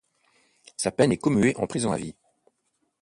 Sa peine est commuée en prison à vie.